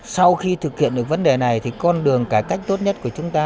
sau khi thực hiện được vấn đề này thì con đường cải cách tốt nhất của chúng ta